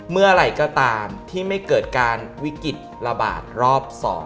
เมื่อไหร่ก็ตามที่ไม่เกิดการวิกฤตระบาดรอบ๒